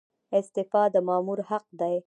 استعفا د مامور حق دی